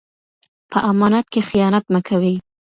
په امانت کې خیانت مه کوئ.